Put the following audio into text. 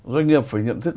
doanh nghiệp phải nhận thức